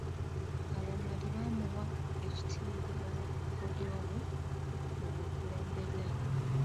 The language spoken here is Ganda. Abamadi baamuwa ekitiibwa olw'obukodyo bwe mu bukulembeze.